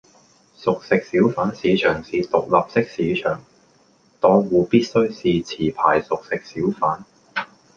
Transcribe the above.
熟食小販市場是獨立式市場，檔戶必須是持牌熟食小販